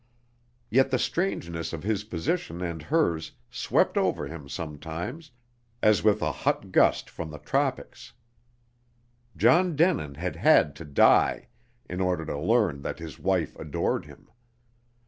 Yet the strangeness of his position and hers swept over him sometimes, as with a hot gust from the tropics. John Denin had had to die, in order to learn that his wife adored him.